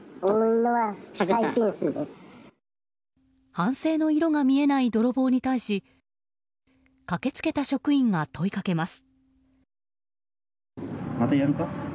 反省の色が見えない泥棒に対し駆けつけた職員が問いかけます。